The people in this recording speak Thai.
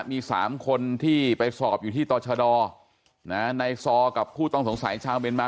มี๓คนที่ไปสอบอยู่ที่ตรชดในซอกับผู้ต้องสงสัยชาวเมียนมา